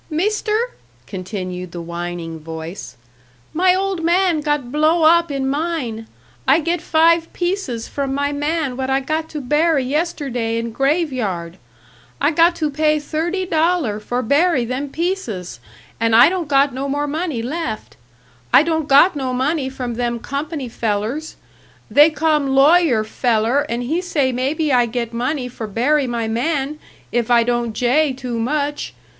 "Mister," continued the whining voice, "my old man got blow up in mine. I get five pieces from my man what I got to bury yesterday in grave yard. I got to pay thirty dollar for bury them pieces and I don't got no more money left. I don't got no money from them company fellers. They come lawyer feller and he say maybe I get money for bury my man, if I don't jay too much.